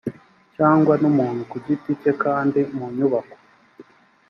cyangwa n umuntu ku giti cye kandi mu nyubako